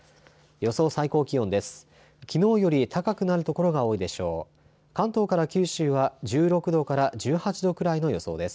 予想最高気温です。